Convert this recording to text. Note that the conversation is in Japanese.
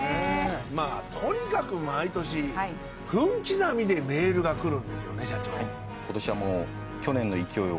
まぁとにかく毎年分刻みでメールが来るんですよね社長。